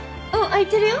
空いてるよ。